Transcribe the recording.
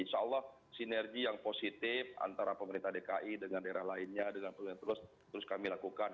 insyaallah sinergi yang positif antara pemerintah dki dengan daerah lainnya dengan peluang yang terus kami lakukan